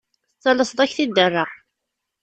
Tettalaseḍ ad k-t-id-rreɣ.